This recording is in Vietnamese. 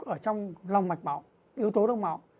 ở trong lòng mạch bảo yếu tố lòng bảo